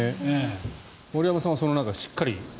森山さんはそんな中、しっかり。